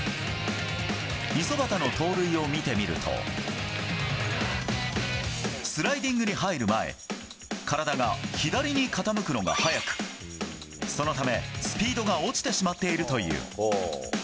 五十幡の盗塁を見てみるとスライディングに入る前体が左に傾くのが早くそのためスピードが落ちてしまっているという。